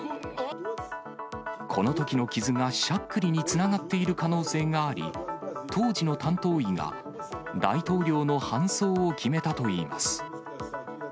このときの傷がしゃっくりにつながっている可能性があり、当時の担当医が大統領の搬送を決めたといいます。